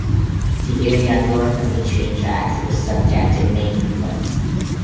The area north of the train tracks was subject to many floods.